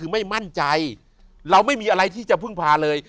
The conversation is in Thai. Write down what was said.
คือไม่มั่นใจเราไม่มีอะไรที่จะพึ่งพาเลย